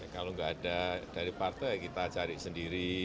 kalau nggak ada dari partai kita cari sendiri